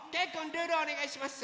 ルールおねがいします。